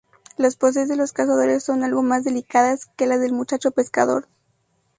Las poses de los cazadores son algo más delicadas que las del muchacho pescador.